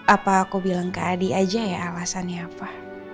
apa aku bilang ke adik aja ya alasannya apa